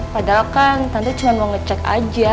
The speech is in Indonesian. padahal kan tante cuma mau ngecek aja